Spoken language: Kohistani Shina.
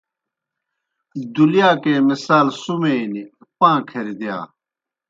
دُلِیاکے مثال سُمے نیْ، پاں کھریْ دِیا